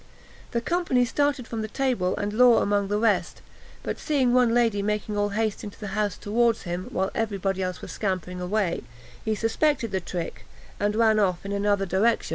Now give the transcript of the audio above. The company started from table, and Law among the rest; but, seeing one lady making all haste into the house towards him, while every body else was scampering away, he suspected the trick, and ran off in another direction.